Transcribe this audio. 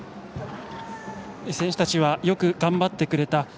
選手たちはよく頑張ってくれた。